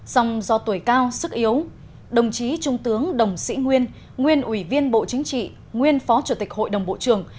song do tuổi cao sức yếu đồng chí trung tướng đồng sĩ nguyên nguyên ủy viên bộ chính trị nguyên phó chủ tịch hội đồng bộ trưởng